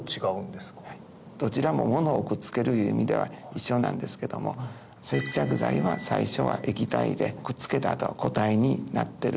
どちらもものをくっつけるいう意味では一緒なんですけども接着剤は最初は液体でくっつけた後は固体になってる。